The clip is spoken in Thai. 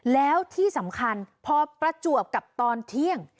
แล้วที่สำคัญพอประจวบกับตอนเที่ยง